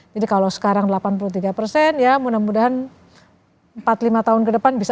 jadi kalau sekarang delapan puluh tiga ya mudah mudahan empat lima tahun ke depan bisa seratus